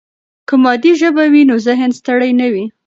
که مادي ژبه وي، نو ذهن ستړي نه وي.